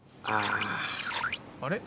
ああ。